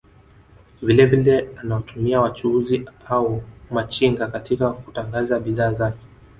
Vile vile anawatumia wachuuzi au machinga katika kutangaza bidhaa zake